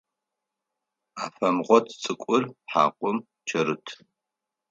Афэмгъот цӏыкӏур хьакум кӏэрыт.